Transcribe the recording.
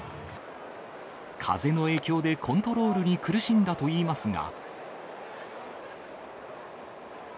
風の影響でコントロールに苦しんだといいますが。